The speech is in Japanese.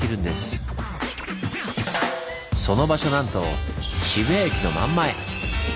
その場所なんと渋谷駅の真ん前。